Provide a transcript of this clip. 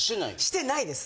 してないです。